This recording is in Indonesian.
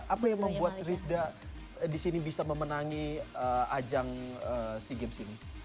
apa yang membuat rifda disini bisa memenangi ajang sea games ini